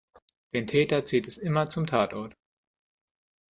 Den Täter zieht es immer zum Tatort.